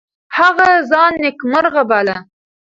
هغه ځان نیکمرغه باله.